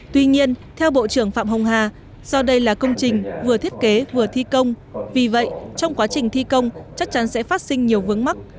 tuy nhiên theo bộ trưởng phạm hồng hà do đây là công trình vừa thiết kế vừa thi công vì vậy trong quá trình thi công chắc chắn sẽ phát sinh nhiều vướng mắt